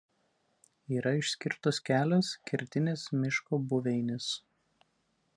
Yra išskirtos kelios Kertinės miško buveinės.